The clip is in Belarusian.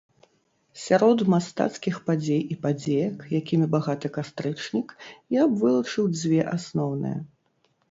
Сярод мастацкіх падзей і падзеек, якімі багаты кастрычнік, я б вылучыў дзве асноўныя.